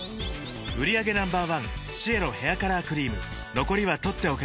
売上№１シエロヘアカラークリーム残りは取っておけて